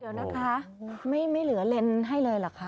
เดี๋ยวนะคะไม่เหลือเลนส์ให้เลยเหรอคะ